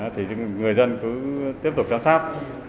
thì người dân cứ tiếp tục giám sát